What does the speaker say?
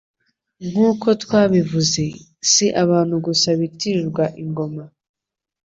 Nkuko twabivuze, si abantu gusa bitirirwa ingoma